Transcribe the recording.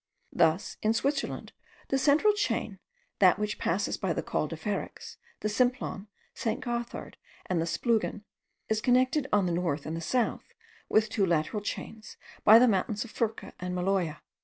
Thus, in Switzerland, the central chain, that which passes by the Col de Ferrex, the Simplon, St. Gothard, and the Splugen, is connected on the north and the south with two lateral chains, by the mountains of Furca and Maloya.